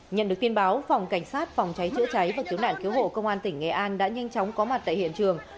nhận được tin báo phòng cảnh sát phòng cháy chữa cháy và cứu nạn cứu hộ công an tỉnh nghệ an đã nhanh chóng có mặt tại hiện trường